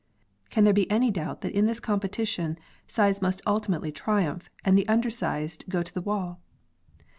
Can there be any doubt that in this competition size must ultimately triumph and the undersized go to the wall?